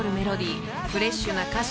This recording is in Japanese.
フレッシュな歌詞］